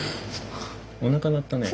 おなか鳴ったね。